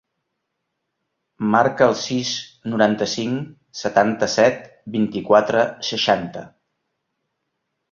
Marca el sis, noranta-cinc, setanta-set, vint-i-quatre, seixanta.